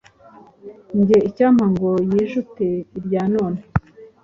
Jye icyampa ngo yijute irya none!”